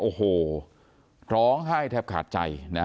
โอ้โหร้องไห้แทบขาดใจนะฮะ